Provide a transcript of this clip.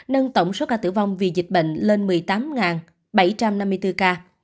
nâng tổng số ca tử vong vì dịch bệnh lên một mươi tám bảy trăm năm mươi bốn ca